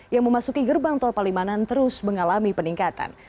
yang memasuki gerbang tol palimanan terus mengalami peningkatan